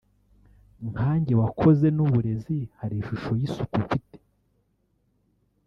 nkanjye wakoze n’uburezi hari ishusho y’isuku mfite